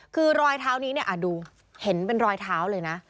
คือรอยเท้านี้เนี่ยดูเห็นเป็นรอยเท้าเลยนะ